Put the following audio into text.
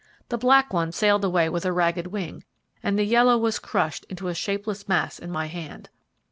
The black one sailed away with a ragged wing, and the yellow was crushed into a shapeless mass in my hand.